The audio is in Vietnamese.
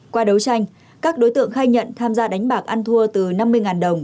qua đấu tranh các đối tượng khai nhận tham gia đánh bạc ăn thua từ năm mươi đồng